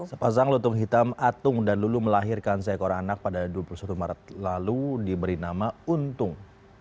sepasang lutung hitam atung dan lulu melahirkan seekor anak pada dua puluh satu maret lalu diberi nama untung